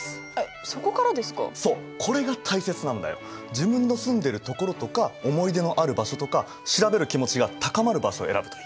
自分の住んでる所とか思い出のある場所とか調べる気持ちが高まる場所を選ぶといい。